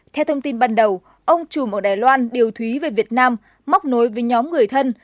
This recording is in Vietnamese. theo thông tin ban đầu ông trùm ở đài loan điều thúy về việt nam móc nối với nhóm người thân